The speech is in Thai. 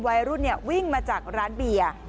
วัยรุ่นวิ่งมาจากร้านเบียร์